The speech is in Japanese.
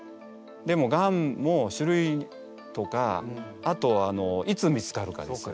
でもガンも種類とかあといつ見つかるかですよね。